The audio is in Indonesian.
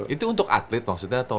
itu untuk atlet maksudnya